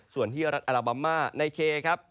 ส่วนที่รัฐอัลบัมม่านายเก